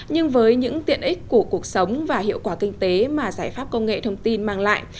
nhưng với những tiện ích của cuộc sống và hiệu quả kinh tế mà giải pháp công nghệ thông tin mang lại